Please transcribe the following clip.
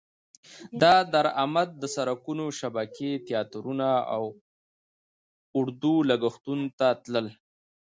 دا درامد د سرکونو شبکې، تیاترونه او اردو لګښتونو ته تلل.